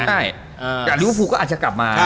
ใช่แต่ลิเวอร์ฟูก็อาจจะกลับมา